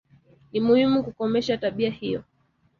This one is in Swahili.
Ni muhimu kukomesha tabia hiyo